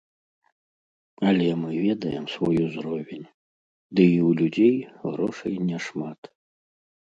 Але мы ведаем свой узровень, ды і ў людзей грошай не шмат.